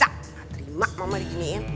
gak terima mama diginiin